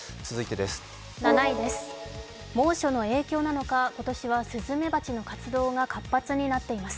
７位です、猛暑の影響なのか今年はスズメバチの活動が活発になっています。